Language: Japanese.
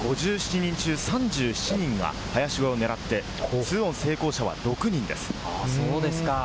きょうは５７人中３７人が林越えを狙って、２オン成功者は６人です。